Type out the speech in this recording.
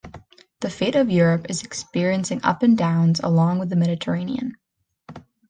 The fate of Europe is experiencing ups and downs along with the Mediterranean.